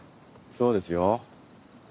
そうですよ。